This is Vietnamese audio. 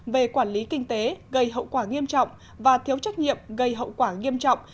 về quản lý kinh tế gây hậu quả nghiêm trọng và thiếu trách nhiệm gây hậu quả nghiêm trọng